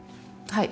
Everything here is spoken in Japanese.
はい。